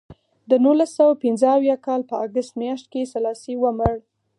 د نولس سوه پنځه اویا کال په اګست میاشت کې سلاسي ومړ.